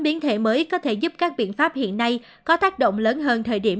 biến thể mới có thể giúp các biện pháp hiện nay có tác động lớn hơn thời điểm